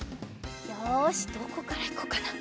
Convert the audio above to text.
よしどこからいこうかな。